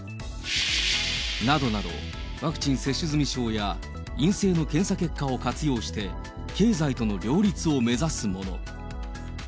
などなど、ワクチン接種済み証や陰性の検査結果を活用して、経済との両立を目指すもの。